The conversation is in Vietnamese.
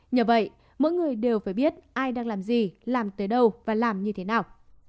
nhờ vậy mỗi người đều phải biết ai đang làm gì làm tới đâu và làm như thế nào